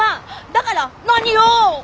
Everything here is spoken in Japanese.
だから何よ！